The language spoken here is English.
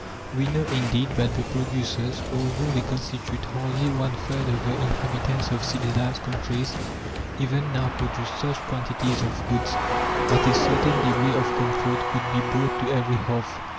We know, indeed, that the producers, although they constitute hardly one third of the inhabitants of civilized countries, even now produce such quantities of goods that a certain degree of comfort could be brought to every hearth.